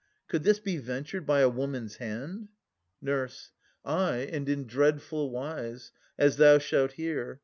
Could this be ventured by a woman's hand? NUR. Ay, and in dreadful wise, as thou shalt hear.